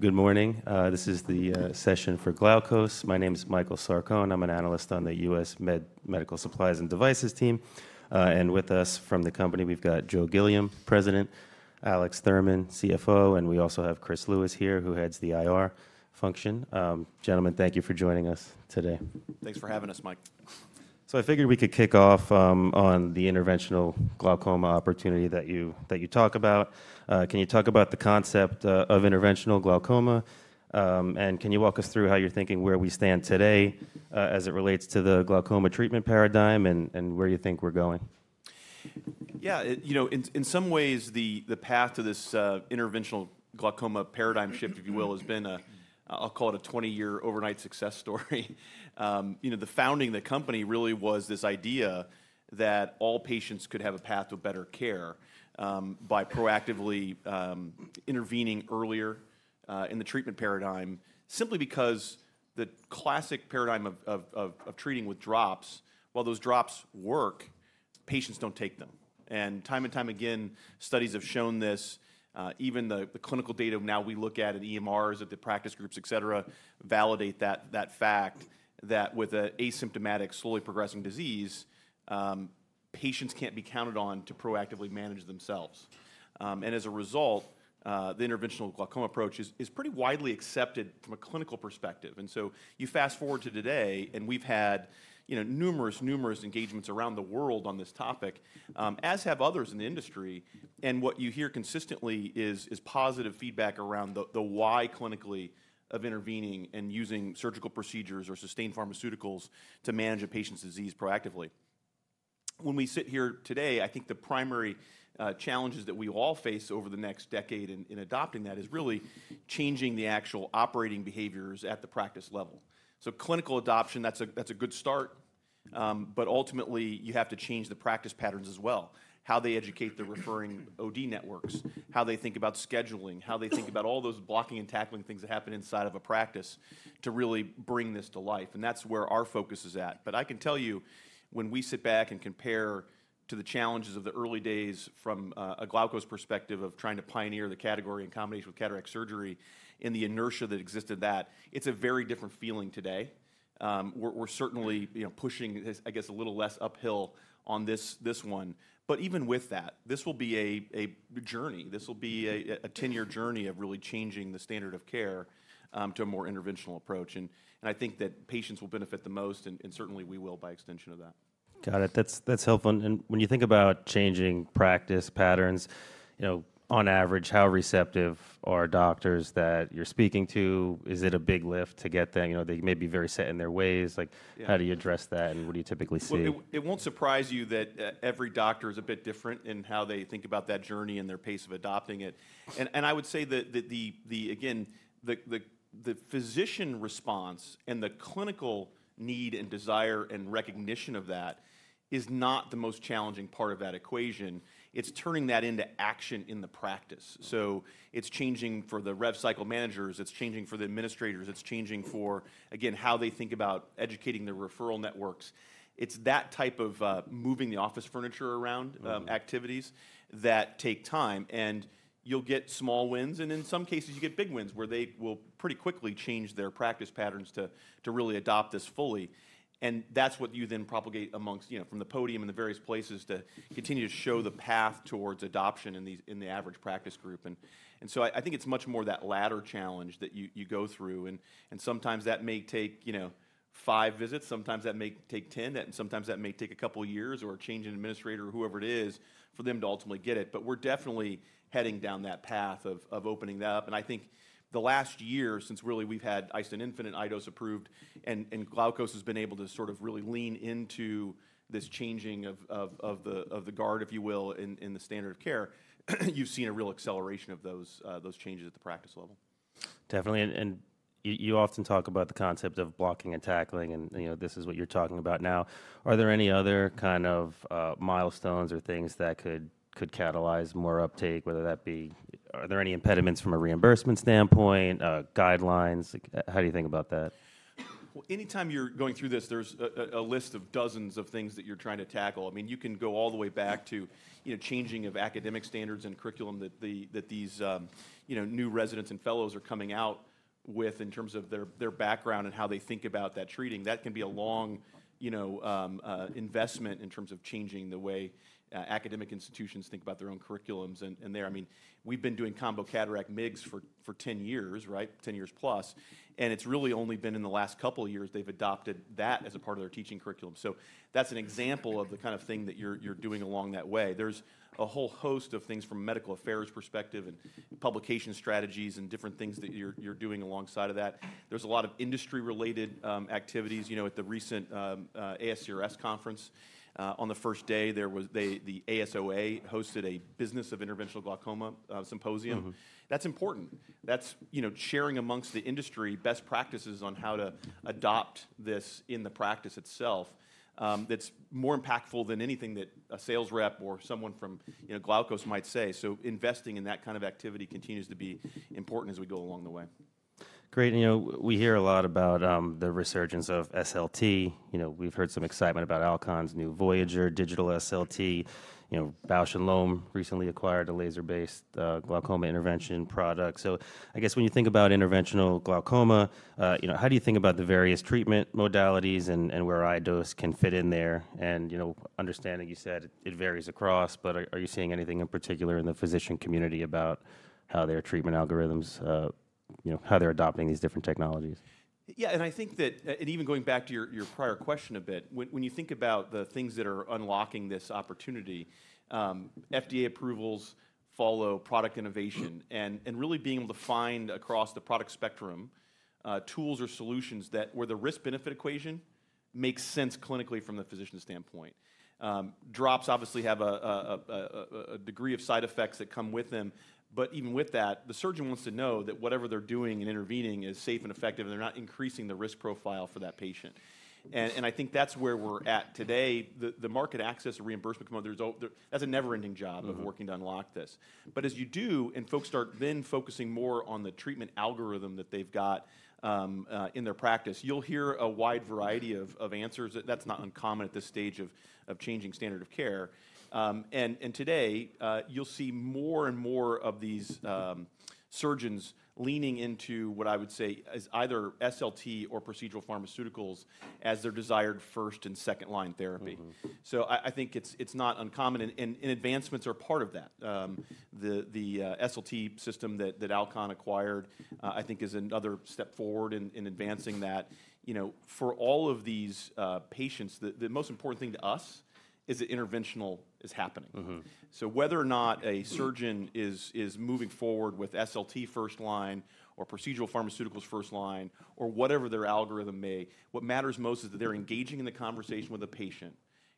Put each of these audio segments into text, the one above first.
Good morning. This is the session for Glaukos. My name is Michael Sarcone. I'm an analyst on the U.S. Medical Supplies and Devices team. With us from the company, we've got Joe Gilliam, President, Alex Thurman, CFO, and we also have Chris Lewis here, who heads the IR function. Gentlemen, thank you for joining us today. Thanks for having us, Mike. I figured we could kick off on the interventional glaucoma opportunity that you talk about. Can you talk about the concept of interventional glaucoma? Can you walk us through how you're thinking where we stand today as it relates to the glaucoma treatment paradigm and where you think we're going? Yeah, you know, in some ways, the path to this interventional glaucoma paradigm shift, if you will, has been a, I'll call it a 20-year overnight success story. You know, the founding of the company really was this idea that all patients could have a path to better care by proactively intervening earlier in the treatment paradigm, simply because the classic paradigm of treating with drops, while those drops work, patients don't take them. Time and time again, studies have shown this. Even the clinical data now we look at in EMRs at the practice groups, etc., validate that fact that with an asymptomatic, slowly progressing disease, patients can't be counted on to proactively manage themselves. As a result, the interventional glaucoma approach is pretty widely accepted from a clinical perspective. You fast forward to today, and we've had, you know, numerous, numerous engagements around the world on this topic, as have others in the industry. What you hear consistently is positive feedback around the why clinically of intervening and using surgical procedures or sustained pharmaceuticals to manage a patient's disease proactively. When we sit here today, I think the primary challenges that we all face over the next decade in adopting that is really changing the actual operating behaviors at the practice level. Clinical adoption, that's a good start. Ultimately, you have to change the practice patterns as well: how they educate the referring OD networks, how they think about scheduling, how they think about all those blocking and tackling things that happen inside of a practice to really bring this to life. That's where our focus is at. I can tell you, when we sit back and compare to the challenges of the early days from a Glaukos perspective of trying to pioneer the category in combination with cataract surgery and the inertia that existed, it's a very different feeling today. We're certainly, you know, pushing, I guess, a little less uphill on this one. Even with that, this will be a journey. This will be a 10-year journey of really changing the standard of care to a more interventional approach. I think that patients will benefit the most, and certainly we will by extension of that. Got it. That's helpful. When you think about changing practice patterns, you know, on average, how receptive are doctors that you're speaking to? Is it a big lift to get them? You know, they may be very set in their ways. Like, how do you address that, and what do you typically see? It won't surprise you that every doctor is a bit different in how they think about that journey and their pace of adopting it. I would say that the, again, the physician response and the clinical need and desire and recognition of that is not the most challenging part of that equation. It's turning that into action in the practice. It's changing for the rev cycle managers. It's changing for the administrators. It's changing for, again, how they think about educating their referral networks. It's that type of moving the office furniture around activities that take time. You'll get small wins, and in some cases, you get big wins where they will pretty quickly change their practice patterns to really adopt this fully. That is what you then propagate amongst, you know, from the podium and the various places to continue to show the path towards adoption in the average practice group. I think it is much more that latter challenge that you go through. Sometimes that may take five visits. Sometimes that may take 10. Sometimes that may take a couple of years or a change in administrator or whoever it is for them to ultimately get it. We are definitely heading down that path of opening that up. I think the last year since really we have had iStent infinite, iDose approved, and Glaukos has been able to sort of really lean into this changing of the guard, if you will, in the standard of care, you have seen a real acceleration of those changes at the practice level. Definitely. You often talk about the concept of blocking and tackling, and, you know, this is what you're talking about now. Are there any other kind of milestones or things that could catalyze more uptake, whether that be, are there any impediments from a reimbursement standpoint, guidelines? How do you think about that? Anytime you're going through this, there's a list of dozens of things that you're trying to tackle. I mean, you can go all the way back to, you know, changing of academic standards and curriculum that these, you know, new residents and fellows are coming out with in terms of their background and how they think about that treating. That can be a long, you know, investment in terms of changing the way academic institutions think about their own curriculums. I mean, we've been doing combo cataract MIGS for 10 years, right? 10 years plus. It's really only been in the last couple of years they've adopted that as a part of their teaching curriculum. That's an example of the kind of thing that you're doing along that way. There's a whole host of things from a medical affairs perspective and publication strategies and different things that you're doing alongside of that. There's a lot of industry-related activities. You know, at the recent ASCRS conference, on the first day, the ASOA hosted a Business of Interventional Glaucoma Symposium. That's important. That's, you know, sharing amongst the industry best practices on how to adopt this in the practice itself. That's more impactful than anything that a sales rep or someone from, you know, Glaukos might say. Investing in that kind of activity continues to be important as we go along the way. Great. You know, we hear a lot about the resurgence of SLT. You know, we've heard some excitement about Alcon's new Voyager Digital SLT. You know, Bausch + Lomb recently acquired a laser-based glaucoma intervention product. I guess when you think about interventional glaucoma, you know, how do you think about the various treatment modalities and where iDose can fit in there? You know, understanding, you said it varies across, but are you seeing anything in particular in the physician community about how their treatment algorithms, you know, how they're adopting these different technologies? Yeah, and I think that, and even going back to your prior question a bit, when you think about the things that are unlocking this opportunity, FDA approvals follow product innovation and really being able to find across the product spectrum tools or solutions that where the risk-benefit equation makes sense clinically from the physician standpoint. Drops obviously have a degree of side effects that come with them. Even with that, the surgeon wants to know that whatever they're doing and intervening is safe and effective, and they're not increasing the risk profile for that patient. I think that's where we're at today. The market access of reimbursement, there's a never-ending job of working to unlock this. As you do, and folks start then focusing more on the treatment algorithm that they've got in their practice, you'll hear a wide variety of answers. That's not uncommon at this stage of changing standard of care. Today, you'll see more and more of these surgeons leaning into what I would say is either SLT or procedural pharmaceuticals as their desired first and second-line therapy. I think it's not uncommon, and advancements are part of that. The SLT system that Alcon acquired, I think, is another step forward in advancing that. You know, for all of these patients, the most important thing to us is that interventional is happening. Whether or not a surgeon is moving forward with SLT first line or procedural pharmaceuticals first line or whatever their algorithm may, what matters most is that they're engaging in the conversation with the patient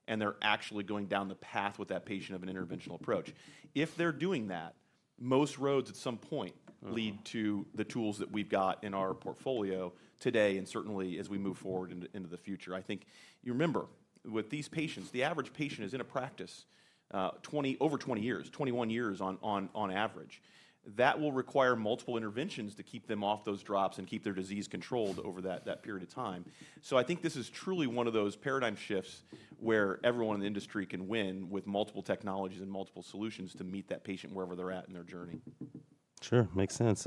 and they're actually going down the path with that patient of an interventional approach. If they're doing that, most roads at some point lead to the tools that we've got in our portfolio today and certainly as we move forward into the future. I think, you remember, with these patients, the average patient is in a practice over 20 years, 21 years on average. That will require multiple interventions to keep them off those drops and keep their disease controlled over that period of time. I think this is truly one of those paradigm shifts where everyone in the industry can win with multiple technologies and multiple solutions to meet that patient wherever they're at in their journey. Sure. Makes sense.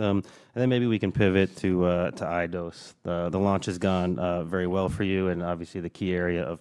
Maybe we can pivot to iDose. The launch has gone very well for you, and obviously the key area of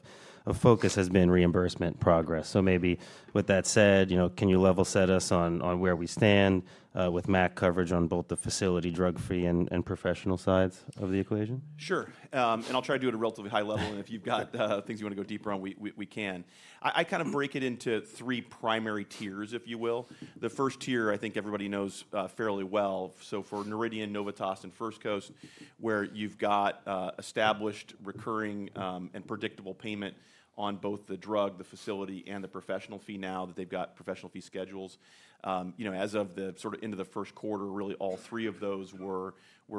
focus has been reimbursement progress. Maybe with that said, you know, can you level set us on where we stand with MAC coverage on both the facility drug fee and professional sides of the equation? Sure. I'll try to do it at a relatively high level. If you've got things you want to go deeper on, we can. I kind of break it into three primary tiers, if you will. The first tier, I think everybody knows fairly well. For Noridian, Novitas, and First Coast, where you've got established recurring and predictable payment on both the drug, the facility, and the professional fee now that they've got professional fee schedules. You know, as of the sort of end of the first quarter, really all three of those were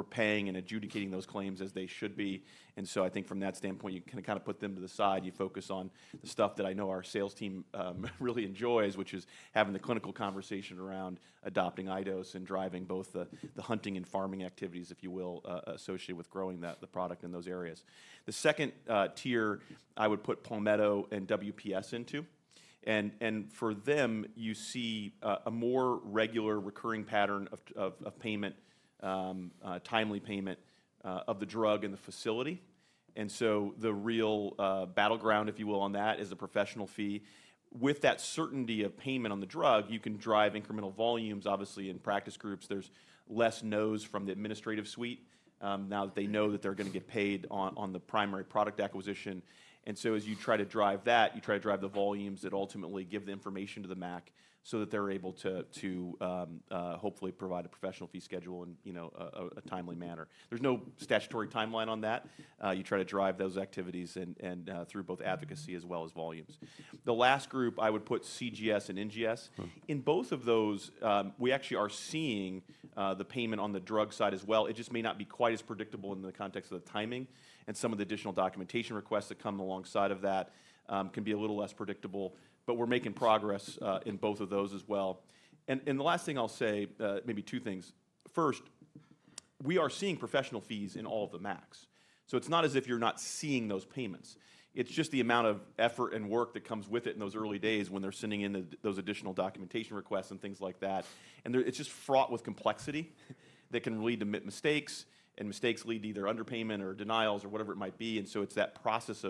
paying and adjudicating those claims as they should be. I think from that standpoint, you can kind of put them to the side. You focus on the stuff that I know our sales team really enjoys, which is having the clinical conversation around adopting iDose and driving both the hunting and farming activities, if you will, associated with growing the product in those areas. The second tier I would put Palmetto and WPS into. For them, you see a more regular recurring pattern of payment, timely payment of the drug in the facility. The real battleground, if you will, on that is the professional fee. With that certainty of payment on the drug, you can drive incremental volumes, obviously, in practice groups. There is less noise from the administrative suite now that they know that they are going to get paid on the primary product acquisition. As you try to drive that, you try to drive the volumes that ultimately give the information to the MAC so that they're able to hopefully provide a professional fee schedule in, you know, a timely manner. There's no statutory timeline on that. You try to drive those activities through both advocacy as well as volumes. The last group I would put CGS and NGS. In both of those, we actually are seeing the payment on the drug side as well. It just may not be quite as predictable in the context of the timing. Some of the additional documentation requests that come alongside of that can be a little less predictable. We're making progress in both of those as well. The last thing I'll say, maybe two things. First, we are seeing professional fees in all of the MACs. It is not as if you are not seeing those payments. It is just the amount of effort and work that comes with it in those early days when they are sending in those additional documentation requests and things like that. It is just fraught with complexity that can lead to mistakes, and mistakes lead to either underpayment or denials or whatever it might be. It is that process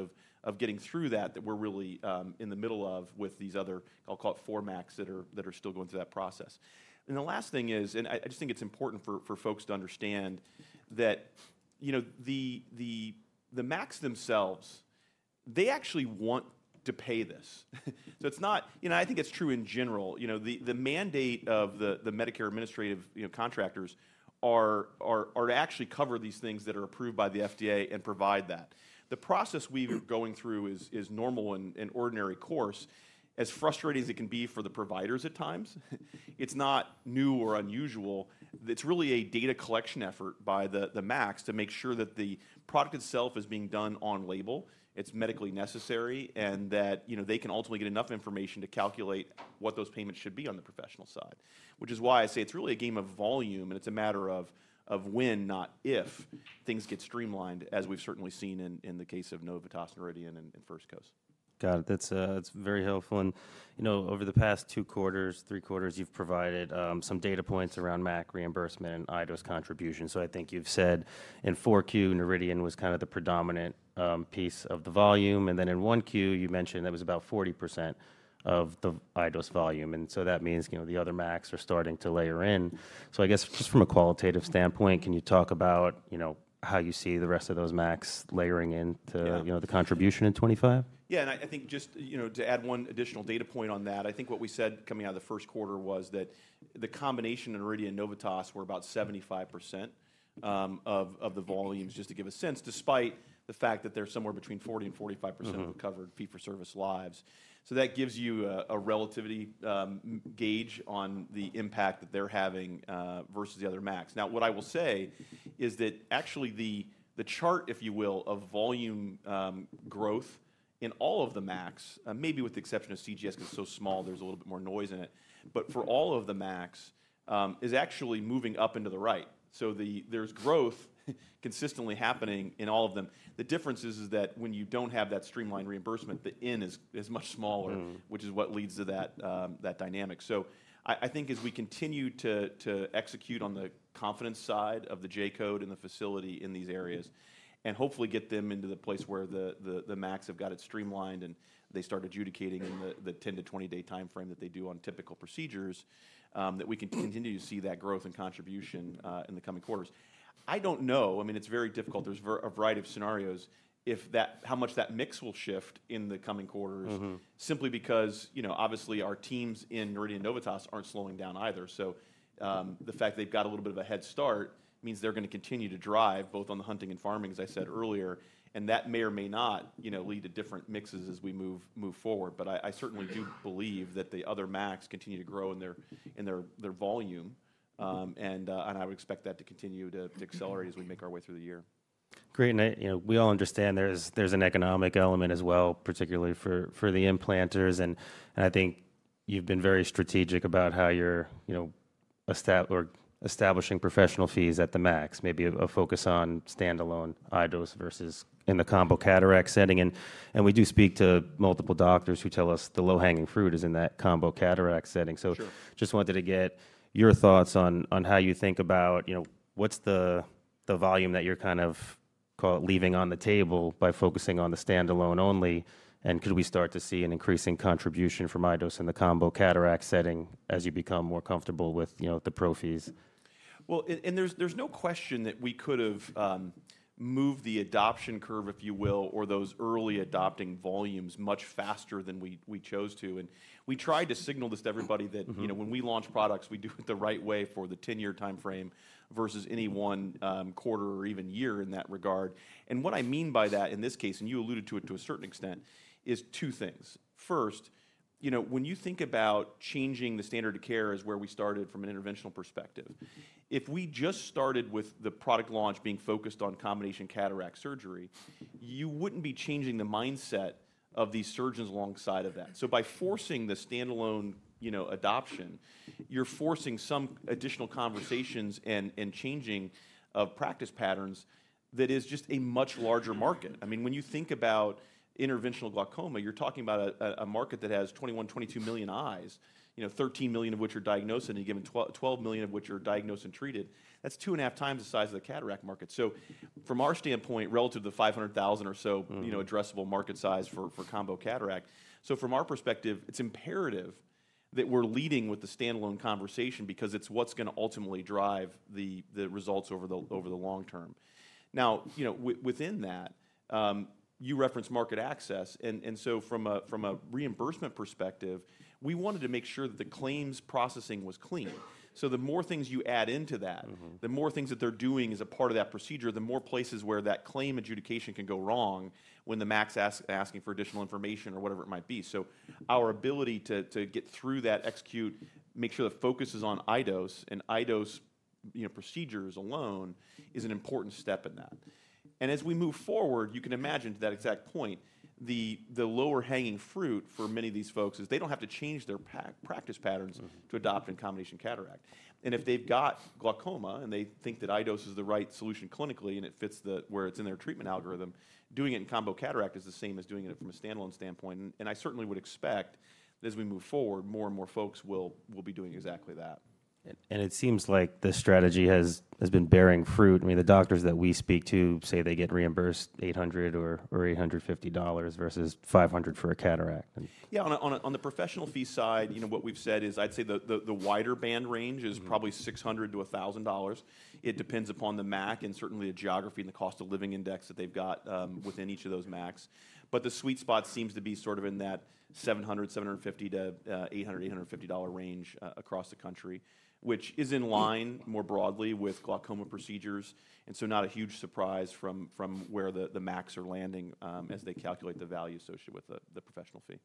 of getting through that that we are really in the middle of with these other, I will call it four MACs that are still going through that process. The last thing is, and I just think it is important for folks to understand that, you know, the MACs themselves, they actually want to pay this. It is not, you know, I think it is true in general. You know, the mandate of the Medicare Administrative Contractors are to actually cover these things that are approved by the FDA and provide that. The process we were going through is normal and ordinary course. As frustrating as it can be for the providers at times, it's not new or unusual. It's really a data collection effort by the MACs to make sure that the product itself is being done on label, it's medically necessary, and that, you know, they can ultimately get enough information to calculate what those payments should be on the professional side. Which is why I say it's really a game of volume, and it's a matter of when, not if, things get streamlined, as we've certainly seen in the case of Novitas, Noridian, and First Coast. Got it. That's very helpful. And, you know, over the past two quarters, three quarters, you've provided some data points around MAC reimbursement and iDose contribution. So I think you've said in Q4, Noridian was kind of the predominant piece of the volume. And then in Q1, you mentioned that was about 40% of the iDose volume. And so that means, you know, the other MACs are starting to layer in. So I guess just from a qualitative standpoint, can you talk about, you know, how you see the rest of those MACs layering into the contribution in 2025? Yeah. I think just, you know, to add one additional data point on that, I think what we said coming out of the first quarter was that the combination Noridian and Novitas were about 75% of the volumes, just to give a sense, despite the fact that they're somewhere between 40%-45% of the covered fee-for-service lives. That gives you a relativity gauge on the impact that they're having versus the other MACs. Now, what I will say is that actually the chart, if you will, of volume growth in all of the MACs, maybe with the exception of CGS because it's so small, there's a little bit more noise in it, but for all of the MACs is actually moving up and to the right. There's growth consistently happening in all of them. The difference is that when you do not have that streamlined reimbursement, the in is much smaller, which is what leads to that dynamic. I think as we continue to execute on the confidence side of the J code and the facility in these areas and hopefully get them into the place where the MACs have got it streamlined and they start adjudicating in the 10-20 day timeframe that they do on typical procedures, we can continue to see that growth and contribution in the coming quarters. I do not know. I mean, it is very difficult. There is a variety of scenarios if that how much that mix will shift in the coming quarters simply because, you know, obviously our teams in Noridian and Novitas are not slowing down either. The fact they've got a little bit of a head start means they're going to continue to drive both on the hunting and farming, as I said earlier. That may or may not, you know, lead to different mixes as we move forward. I certainly do believe that the other MACs continue to grow in their volume. I would expect that to continue to accelerate as we make our way through the year. Great. You know, we all understand there's an economic element as well, particularly for the implanters. I think you've been very strategic about how you're, you know, establishing professional fees at the MACs, maybe a focus on standalone iDose versus in the combo cataract setting. We do speak to multiple doctors who tell us the low-hanging fruit is in that combo cataract setting. Just wanted to get your thoughts on how you think about, you know, what's the volume that you're kind of, call it, leaving on the table by focusing on the standalone only? Could we start to see an increasing contribution from iDose in the combo cataract setting as you become more comfortable with, you know, the pro fees? There is no question that we could have moved the adoption curve, if you will, or those early adopting volumes much faster than we chose to. We tried to signal this to everybody that, you know, when we launch products, we do it the right way for the 10-year timeframe versus any one quarter or even year in that regard. What I mean by that in this case, and you alluded to it to a certain extent, is two things. First, you know, when you think about changing the standard of care is where we started from an interventional perspective. If we just started with the product launch being focused on combination cataract surgery, you would not be changing the mindset of these surgeons alongside of that. By forcing the standalone, you know, adoption, you're forcing some additional conversations and changing of practice patterns that is just a much larger market. I mean, when you think about interventional glaucoma, you're talking about a market that has 21, 22 million eyes, you know, 13 million of which are diagnosed and given 12 million of which are diagnosed and treated. That's two and a half times the size of the cataract market. From our standpoint, relative to the 500,000 or so, you know, addressable market size for combo cataract. From our perspective, it's imperative that we're leading with the standalone conversation because it's what's going to ultimately drive the results over the long term. Now, you know, within that, you referenced market access. From a reimbursement perspective, we wanted to make sure that the claims processing was clean. The more things you add into that, the more things that they're doing as a part of that procedure, the more places where that claim adjudication can go wrong when the MAC's asking for additional information or whatever it might be. Our ability to get through that, execute, make sure the focus is on iDose and iDose procedures alone is an important step in that. As we move forward, you can imagine to that exact point, the lower hanging fruit for many of these folks is they don't have to change their practice patterns to adopt in combination cataract. If they've got glaucoma and they think that iDose is the right solution clinically and it fits where it's in their treatment algorithm, doing it in combo cataract is the same as doing it from a standalone standpoint. I certainly would expect that as we move forward, more and more folks will be doing exactly that. It seems like the strategy has been bearing fruit. I mean, the doctors that we speak to say they get reimbursed $800 or $850 versus $500 for a cataract. Yeah. On the professional fee side, you know, what we've said is I'd say the wider band range is probably $600-$1,000. It depends upon the MAC and certainly the geography and the cost of living index that they've got within each of those MACs. But the sweet spot seems to be sort of in that $700, $750-$800, $850 range across the country, which is in line more broadly with glaucoma procedures. Not a huge surprise from where the MACs are landing as they calculate the value associated with the professional fee.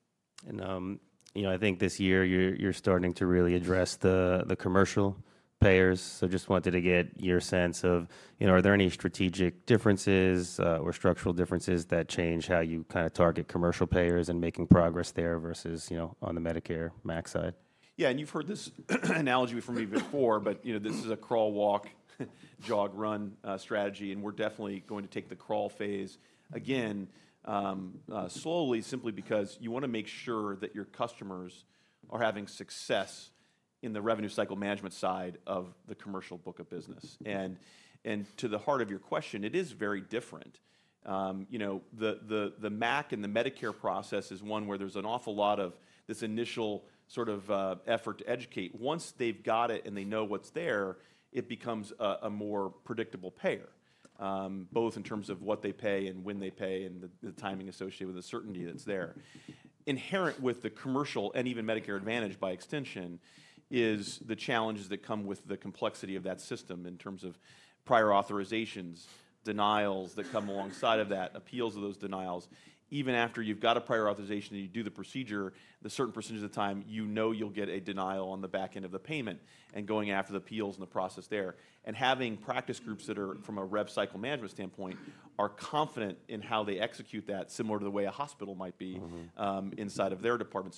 You know, I think this year you're starting to really address the commercial payers. Just wanted to get your sense of, you know, are there any strategic differences or structural differences that change how you kind of target commercial payers and making progress there versus, you know, on the Medicare MAC side? Yeah. And you've heard this analogy from me before, but, you know, this is a crawl, walk, jog, run strategy. We're definitely going to take the crawl phase again slowly simply because you want to make sure that your customers are having success in the revenue cycle management side of the commercial book of business. To the heart of your question, it is very different. You know, the MAC and the Medicare process is one where there's an awful lot of this initial sort of effort to educate. Once they've got it and they know what's there, it becomes a more predictable payer, both in terms of what they pay and when they pay and the timing associated with the certainty that's there. Inherent with the commercial and even Medicare Advantage by extension is the challenges that come with the complexity of that system in terms of prior authorizations, denials that come alongside of that, appeals of those denials. Even after you've got a prior authorization and you do the procedure, a certain percentage of the time you know you'll get a denial on the back end of the payment and going after the appeals and the process there. Having practice groups that are, from a rev cycle management standpoint, confident in how they execute that, similar to the way a hospital might be inside of their department.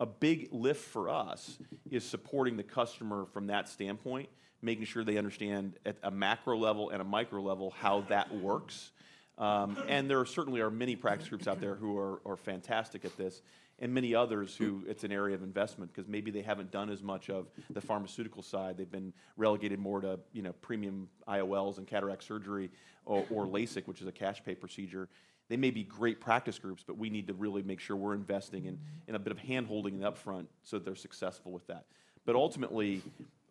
A big lift for us is supporting the customer from that standpoint, making sure they understand at a macro level and a micro level how that works. There certainly are many practice groups out there who are fantastic at this and many others who it's an area of investment because maybe they haven't done as much of the pharmaceutical side. They've been relegated more to, you know, premium IOLs and cataract surgery or LASIK, which is a cash pay procedure. They may be great practice groups, but we need to really make sure we're investing in a bit of handholding in the upfront so that they're successful with that. Ultimately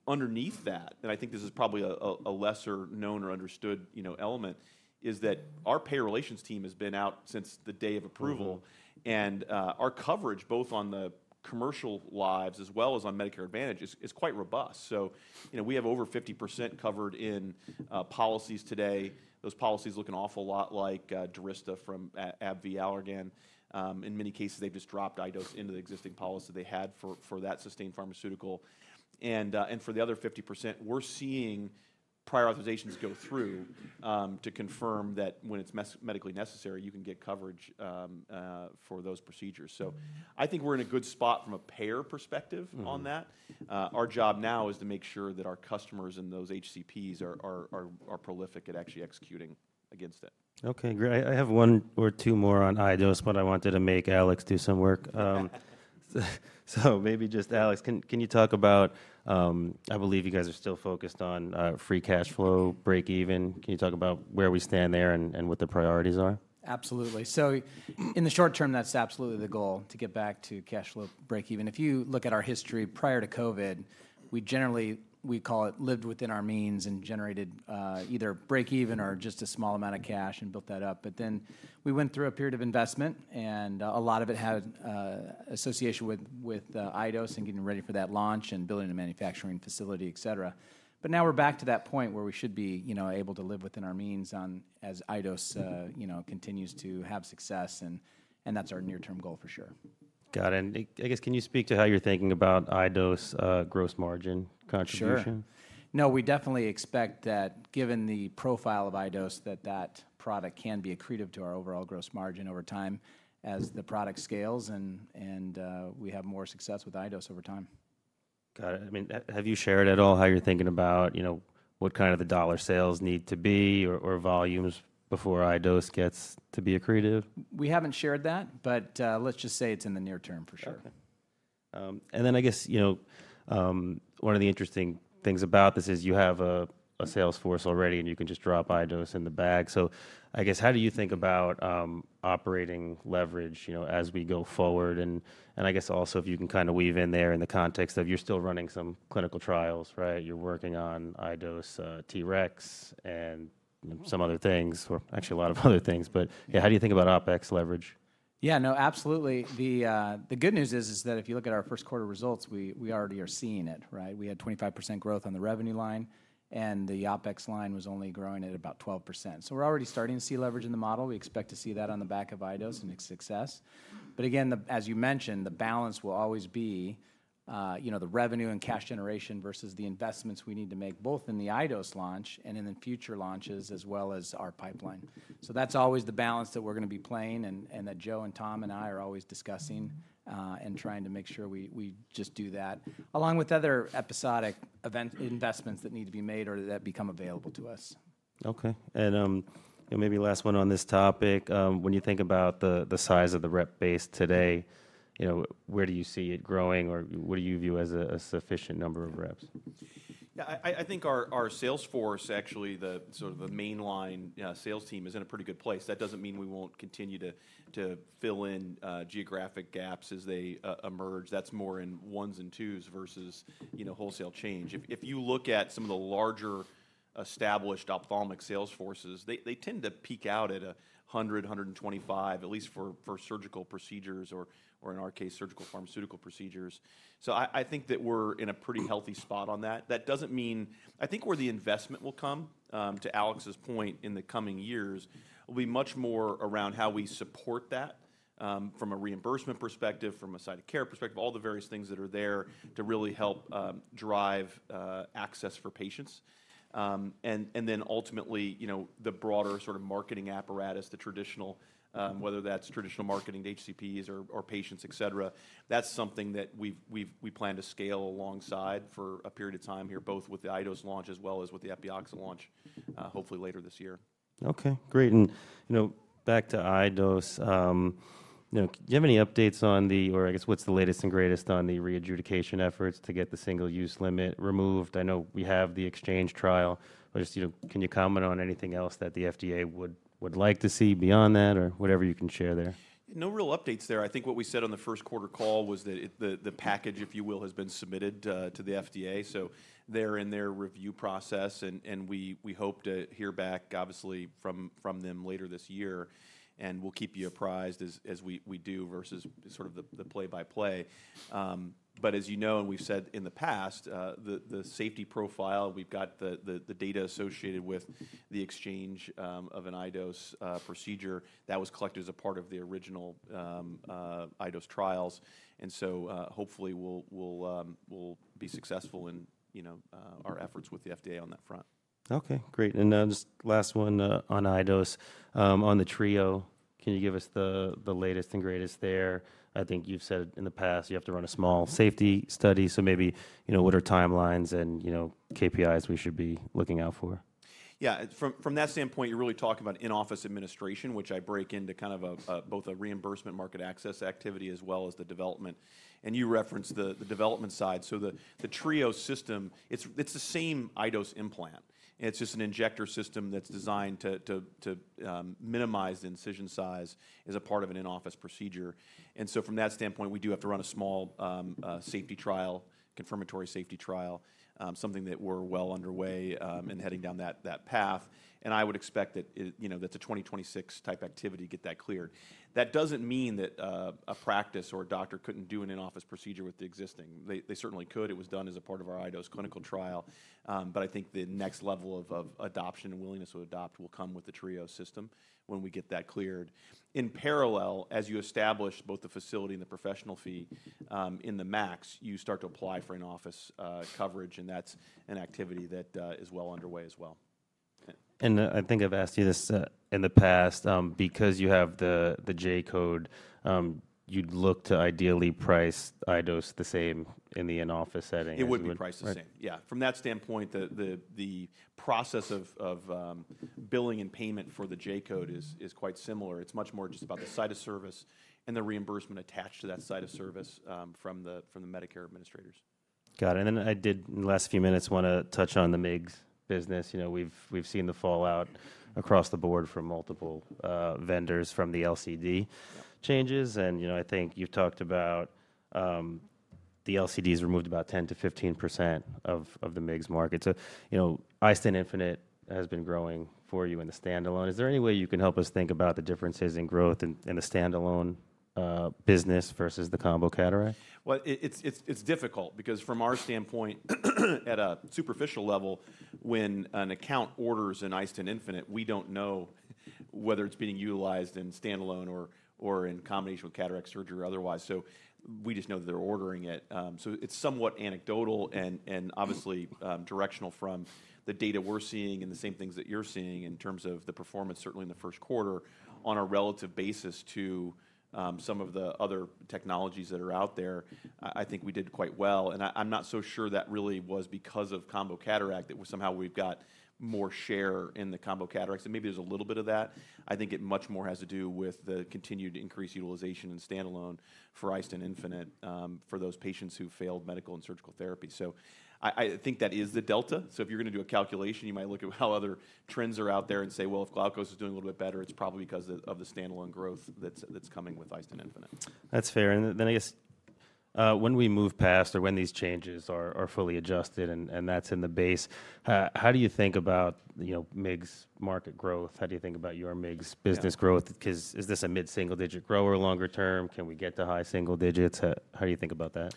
underneath that, and I think this is probably a lesser known or understood, you know, element is that our payer relations team has been out since the day of approval. Our coverage both on the commercial lives as well as on Medicare Advantage is quite robust. You know, we have over 50% covered in policies today. Those policies look an awful lot like DURYSTA from AbbVie, Allergan. In many cases, they've just dropped iDose into the existing policy they had for that sustained pharmaceutical. For the other 50%, we're seeing prior authorizations go through to confirm that when it's medically necessary, you can get coverage for those procedures. I think we're in a good spot from a payer perspective on that. Our job now is to make sure that our customers and those HCPs are prolific at actually executing against it. Okay. Great. I have one or two more on iDose, but I wanted to make Alex do some work. Maybe just, Alex, can you talk about, I believe you guys are still focused on free cash flow break even? Can you talk about where we stand there and what the priorities are? Absolutely. In the short term, that's absolutely the goal to get back to cash flow, break even. If you look at our history prior to COVID, we generally, we call it lived within our means and generated either break even or just a small amount of cash and built that up. Then we went through a period of investment and a lot of it had association with iDose and getting ready for that launch and building a manufacturing facility, et cetera. Now we're back to that point where we should be, you know, able to live within our means as iDose, you know, continues to have success. That's our near-term goal for sure. Got it. I guess can you speak to how you're thinking about iDose gross margin contribution? Sure. No, we definitely expect that given the profile of iDose, that that product can be accretive to our overall gross margin over time as the product scales and we have more success with iDose over time. Got it. I mean, have you shared at all how you're thinking about, you know, what kind of the dollar sales need to be or volumes before iDose gets to be accretive? We haven't shared that, but let's just say it's in the near term for sure. Okay. I guess, you know, one of the interesting things about this is you have a sales force already and you can just drop iDose in the bag. I guess how do you think about operating leverage, you know, as we go forward? I guess also if you can kind of weave in there in the context of you're still running some clinical trials, right? You're working on iDose TREX and some other things or actually a lot of other things. Yeah, how do you think about OpEx leverage? Yeah, no, absolutely. The good news is that if you look at our first quarter results, we already are seeing it, right? We had 25% growth on the revenue line and the OpEx line was only growing at about 12%. So we're already starting to see leverage in the model. We expect to see that on the back of iDose and its success. Again, as you mentioned, the balance will always be, you know, the revenue and cash generation versus the investments we need to make both in the iDose launch and in the future launches as well as our pipeline. That's always the balance that we're going to be playing and that Joe and Tom and I are always discussing and trying to make sure we just do that along with other episodic event investments that need to be made or that become available to us. Okay. Maybe last one on this topic. When you think about the size of the rep base today, you know, where do you see it growing or what do you view as a sufficient number of reps? Yeah, I think our sales force, actually the sort of the mainline sales team is in a pretty good place. That does not mean we will not continue to fill in geographic gaps as they emerge. That is more in ones and twos versus, you know, wholesale change. If you look at some of the larger established ophthalmic sales forces, they tend to peak out at 100, 125, at least for surgical procedures or in our case, surgical pharmaceutical procedures. So I think that we are in a pretty healthy spot on that. That does not mean, I think where the investment will come to Alex's point in the coming years will be much more around how we support that from a reimbursement perspective, from a site of care perspective, all the various things that are there to really help drive access for patients. Ultimately, you know, the broader sort of marketing apparatus, the traditional, whether that's traditional marketing to HCPs or patients, et cetera, that's something that we plan to scale alongside for a period of time here, both with the iDose launch as well as with the Epioxa launch hopefully later this year. Okay. Great. And, you know, back to iDose, you know, do you have any updates on the, or I guess what's the latest and greatest on the readjudication efforts to get the single use limit removed? I know we have the exchange trial. Just, you know, can you comment on anything else that the FDA would like to see beyond that or whatever you can share there? No real updates there. I think what we said on the first quarter call was that the package, if you will, has been submitted to the FDA. They are in their review process and we hope to hear back obviously from them later this year. We will keep you apprised as we do versus sort of the play by play. As you know, and we have said in the past, the safety profile, we have got the data associated with the exchange of an iDose procedure that was collected as a part of the original iDose trials. Hopefully we will be successful in, you know, our efforts with the FDA on that front. Okay. Great. And just last one on iDose, on the Trio, can you give us the latest and greatest there? I think you've said in the past you have to run a small safety study. So maybe, you know, what are timelines and, you know, KPIs we should be looking out for? Yeah. From that standpoint, you're really talking about in-office administration, which I break into kind of both a reimbursement market access activity as well as the development. You referenced the development side. The Trio system, it's the same iDose implant. It's just an injector system that's designed to minimize the incision size as a part of an in-office procedure. From that standpoint, we do have to run a small safety trial, confirmatory safety trial, something that we're well underway and heading down that path. I would expect that, you know, that's a 2026 type activity to get that cleared. That doesn't mean that a practice or a doctor couldn't do an in-office procedure with the existing. They certainly could. It was done as a part of our iDose clinical trial. I think the next level of adoption and willingness to adopt will come with the Trio system when we get that cleared. In parallel, as you establish both the facility and the professional fee in the MACs, you start to apply for in-office coverage. That is an activity that is well underway as well. I think I've asked you this in the past, because you have the J code, you'd look to ideally price iDose the same in the in-office setting. It would be priced the same. Yeah. From that standpoint, the process of billing and payment for the J code is quite similar. It is much more just about the site of service and the reimbursement attached to that site of service from the Medicare administrators. Got it. And then I did in the last few minutes want to touch on the MIGS business. You know, we've seen the fallout across the board from multiple vendors from the LCD changes. And, you know, I think you've talked about the LCDs removed about 10%-15% of the MIGS market. So, you know, iStent Infinite has been growing for you in the standalone. Is there any way you can help us think about the differences in growth in the standalone business versus the combo cataract? It's difficult because from our standpoint at a superficial level, when an account orders an iStent Infinite, we don't know whether it's being utilized in standalone or in combination with cataract surgery or otherwise. We just know that they're ordering it. It's somewhat anecdotal and obviously directional from the data we're seeing and the same things that you're seeing in terms of the performance certainly in the first quarter on a relative basis to some of the other technologies that are out there. I think we did quite well. I'm not so sure that really was because of combo cataract that somehow we've got more share in the combo cataracts. Maybe there's a little bit of that. I think it much more has to do with the continued increased utilization and standalone for iStent Infinite for those patients who failed medical and surgical therapy. I think that is the delta. If you're going to do a calculation, you might look at how other trends are out there and say, well, if Glaukos is doing a little bit better, it's probably because of the standalone growth that's coming with iStent infinite. That's fair. I guess when we move past or when these changes are fully adjusted and that's in the base, how do you think about, you know, MIGS market growth? How do you think about your MIGS business growth? Because is this a mid-single digit grower longer term? Can we get to high single digits? How do you think about that?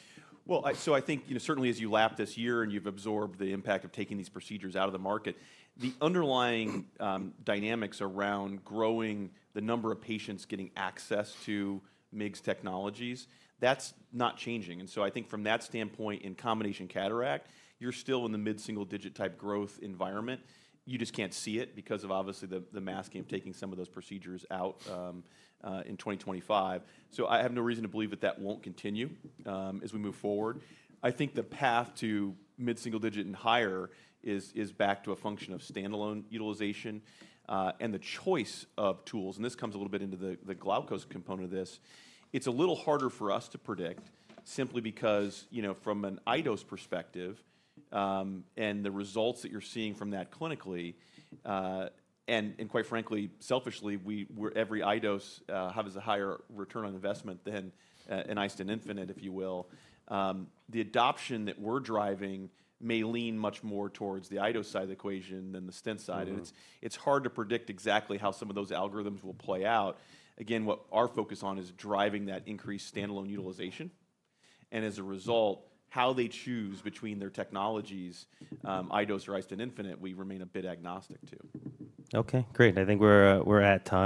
I think, you know, certainly as you lap this year and you've absorbed the impact of taking these procedures out of the market, the underlying dynamics around growing the number of patients getting access to MIGS technologies, that's not changing. I think from that standpoint in combination cataract, you're still in the mid-single digit type growth environment. You just can't see it because of obviously the mass game taking some of those procedures out in 2025. I have no reason to believe that that won't continue as we move forward. I think the path to mid-single digit and higher is back to a function of standalone utilization and the choice of tools. This comes a little bit into the Glaukos component of this. It's a little harder for us to predict simply because, you know, from an iDose perspective and the results that you're seeing from that clinically and, quite frankly, selfishly, every iDose has a higher return on investment than an iStent Infinite, if you will. The adoption that we're driving may lean much more towards the iDose side of the equation than the stent side. It's hard to predict exactly how some of those algorithms will play out. Again, what our focus is on is driving that increased standalone utilization. As a result, how they choose between their technologies, iDose or iStent Infinite, we remain a bit agnostic to. Okay. Great. I think we're at time.